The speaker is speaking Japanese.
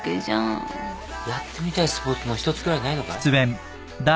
やってみたいスポーツの一つくらいないのかい？